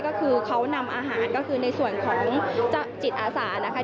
ก็คือเขานำอาหารก็คือในส่วนของจิตอาสานะคะ